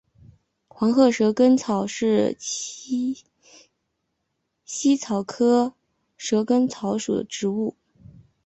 黄褐蛇根草是茜草科蛇根草属的植物。